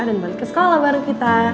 dan balik ke sekolah baru kita